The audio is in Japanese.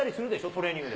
トレーニングで。